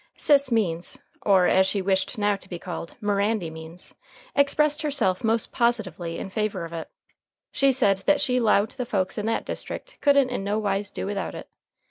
Sis Means, or, as she wished now to be called, Mirandy Means, expressed herself most positively in favor of it. She said that she 'lowed the folks in that district couldn't in no wise do without it.